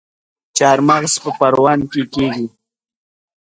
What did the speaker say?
چارمغز په پروان کې کیږي